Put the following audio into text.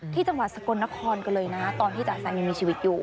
จังหวัดสกลนครกันเลยนะตอนที่จ่าแซมยังมีชีวิตอยู่